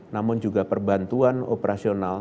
namun juga perbantuan operasional